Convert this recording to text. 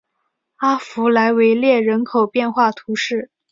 阿弗莱维勒人口变化图示